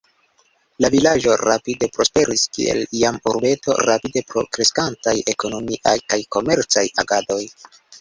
La vilaĝo rapide prosperis kiel jam urbeto rapide pro kreskantaj ekonomiaj kaj komercaj agadoj.